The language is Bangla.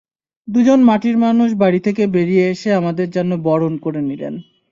দুজন মাটির মানুষ বাড়ি থেকে বেরিয়ে এসে আমাদের যেন বরণ করে নিলেন।